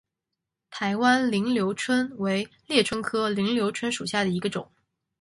台湾菱瘤蝽为猎蝽科菱瘤蝽属下的一个种。